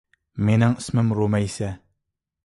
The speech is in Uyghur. مېنىڭ ئىسمىم رۇمەيسە